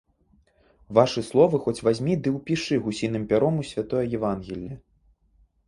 Вашы словы хоць вазьмі ды ўпішы гусіным пяром у святое евангелле.